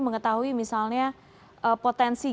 mengetahui misalnya potensi